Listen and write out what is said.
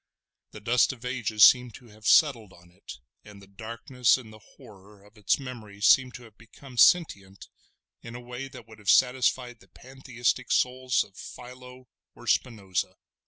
The dust of ages seemed to have settled on it, and the darkness and the horror of its memories seem to have become sentient in a way that would have satisfied the Pantheistic souls of Philo or Spinoza.